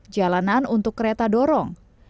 jalanan untuk kereta dorong